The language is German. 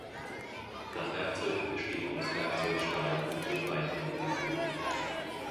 Das Werkzeug besteht aus Werkzeugstahl und wird beidhändig geführt.